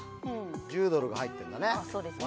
１０ドルが入ってるんだね。